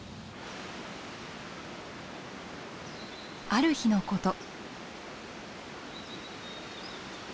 ある日のこと。